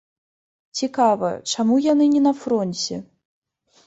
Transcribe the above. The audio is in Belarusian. Цікава, чаму яны не на фронце?